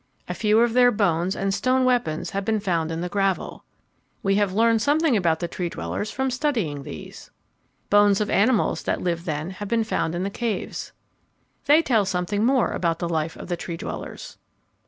A few of their bones and stone weapons have been found in the gravel. We have learned something about the Tree dwellers from studying these. Bones of animals that lived then have been found in the caves. They tell something more about the life of the Tree dwellers.